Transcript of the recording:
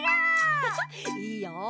いいよ。